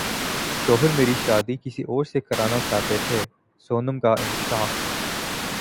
شوہر میری شادی کسی اور سے کرانا چاہتے تھے سونم کا انکشاف